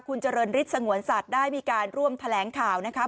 คุณเจริญฤทธิสงวนสัตว์ได้มีการร่วมแถลงข่าวนะคะ